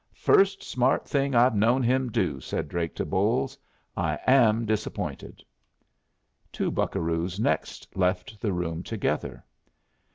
"First smart thing I've known him do," said Drake to Bolles. "I am disappointed." Two buccaroos next left the room together.